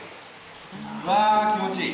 わ気持ちいい！